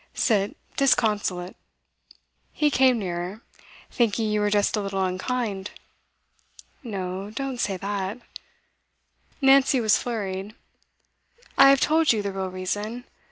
'Sit disconsolate,' he came nearer 'thinking you were just a little unkind.' 'No, don't say that.' Nancy was flurried. 'I have told you the real reason.